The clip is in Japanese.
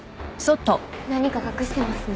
何か隠してますね。